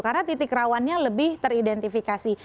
karena titik rawannya lebih teridentifikasi